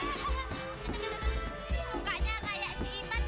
gak gak gak